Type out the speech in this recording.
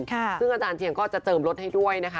ซึ่งอาจารย์เชียงก็จะเจิมรถให้ด้วยนะคะ